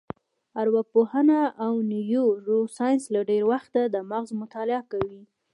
ارواپوهنه او نیورو ساینس له ډېره وخته د مغز مطالعه کوي.